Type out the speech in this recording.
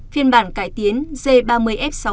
phiên bản cải tiến g ba mươi f sáu m tiết kiệm nhiên liệu hơn